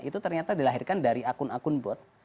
itu ternyata dilahirkan dari akun akun bot